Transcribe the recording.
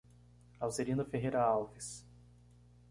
Alzerina Ferreira Alves